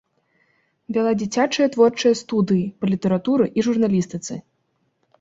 Вяла дзіцячыя творчыя студыі па літаратуры і журналістыцы.